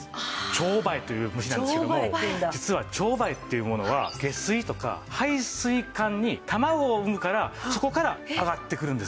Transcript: チョウバエという虫なんですけども実はチョウバエっていうものは下水とか排水管に卵を産むからそこから上がってくるんですよ。